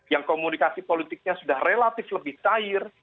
yang komunikasi politiknya sudah relatif lebih cair